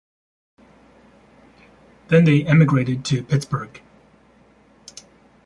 Then they emigrated to Pittsburgh.